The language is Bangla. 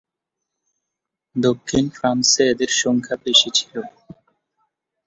দক্ষিণ ফ্রান্সে এদের সংখ্যা বেশি ছিল।